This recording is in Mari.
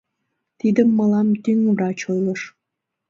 Тидым мылам тӱҥ врач ойлыш.